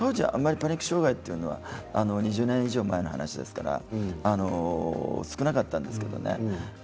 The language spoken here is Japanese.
パニック障害というのは２０年以上前の話ですから少なかったんですけどね。